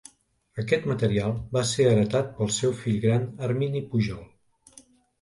Aquest material va ser heretat pel seu fill gran Hermini Pujol.